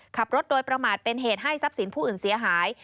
ขับรถโดยประมาทเป็นเหตุให้ทรัพย์สินผู้อื่นเสียหาย